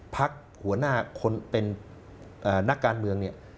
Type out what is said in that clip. หัวหน้าคนเป็นนักการเมืองเนี่ย